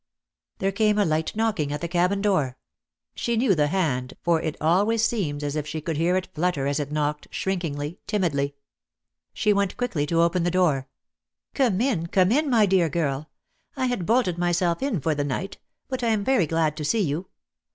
.;,.'. There came a hght knocking at the cabin door. She knew the hand, for it ahvays seemed as if she could hear it flutter as it knocked, shrinkingly, timidly. She went quickly to open the door. "Come in, come in, my dear girl. I had bolted myself in for the night; but I am very glad to see you.